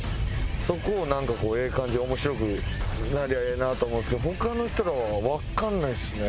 そこをなんかこうええ感じに面白くなりゃええなと思うんですけど他の人らはわかんないですね。